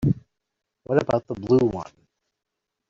What about the blue one?